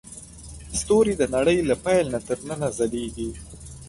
ستوري د نړۍ له پیل نه تر ننه ځلېږي.